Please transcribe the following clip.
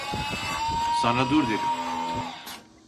Sana dur dedim!